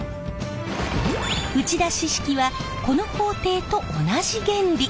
打ち出し式はこの工程と同じ原理。